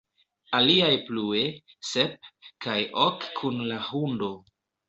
Aliaj plue: "Sep, kaj ok kun la hundo".